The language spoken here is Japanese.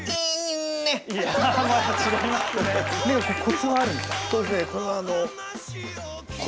コツはあるんですか？